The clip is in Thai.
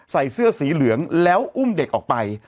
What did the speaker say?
ใส่เสื้อสีเหลืองแล้วอุ้มเด็กออกไป